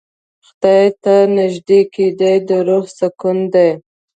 خدای ته نژدې کېدل د روح سکون دی.